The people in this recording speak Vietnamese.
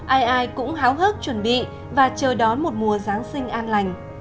ai ai cũng háo hức chuẩn bị và chờ đón một mùa giáng sinh an lành